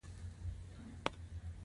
ایا زه باید صفايي وکړم؟